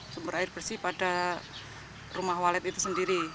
sumber air bersih pada rumah walet itu sendiri